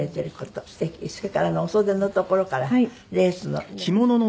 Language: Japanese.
それからお袖の所からレースのね。